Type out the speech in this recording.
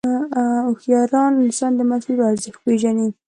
هوښیار انسان د مشورو ارزښت پېژني.